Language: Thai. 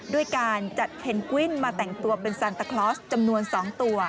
ด้วยการจัดเพนกวินมาแต่งตัวเป็นซันตาคลอสจำนวน๒ตัว